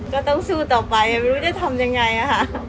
ก็ต้องสู้ต่อไปไม่รู้จะทำยังไงค่ะ